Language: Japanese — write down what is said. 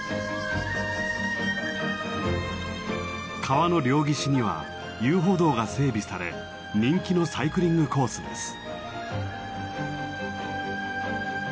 川の両岸には遊歩道が整備され人気のサイクリングコースです。